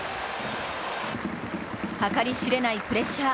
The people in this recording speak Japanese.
計り知れないプレッシャー。